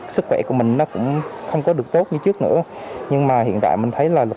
sức khỏe của mình nó cũng không có được tốt như trước nữa nhưng mà hiện tại mình thấy là